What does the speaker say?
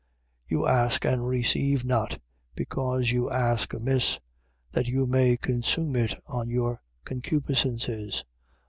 4:3. You ask and receive not: because you ask amiss, that you may consume it on your concupiscences.